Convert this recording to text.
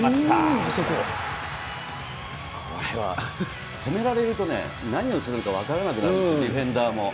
これは、止められるとね、何をするのか分からなくなるんですよ、ディフェンダーも。